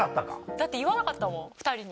だって言わなかったもん２人に。